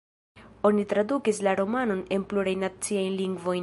Oni tradukis la romanon en plurajn naciajn lingvojn.